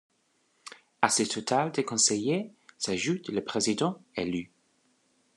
À ce total de conseillers s'ajoute le président élu.